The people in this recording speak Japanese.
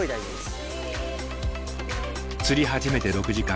釣り始めて６時間。